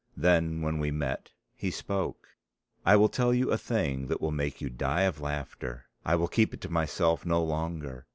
Then when we met he spoke. "I will tell you a thing that will make you die of laughter. I will keep it to myself no longer.